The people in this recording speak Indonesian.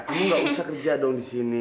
kamu ga usah kerja dong disini